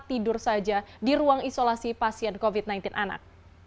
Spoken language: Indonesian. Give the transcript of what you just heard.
tidur saja di ruang isolasi pasien covid sembilan belas anak